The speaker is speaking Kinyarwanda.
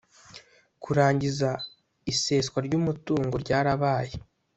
kurangiza iseswa ry umutungo ryarabaye